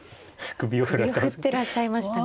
首を振ってらっしゃいましたが。